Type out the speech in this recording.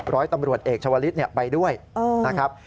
ร้อยตำรวจเอกชาวลิศไปด้วยนะครับ